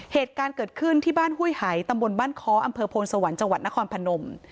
เหตุการณ์เกิดขึ้นที่บ้านห้วยหายตำบลบ้านค้ออำเภอโพนสวรรค์จังหวัดนครพนม